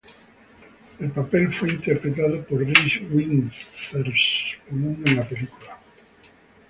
El papel fue interpretado por Reese Witherspoon en la película.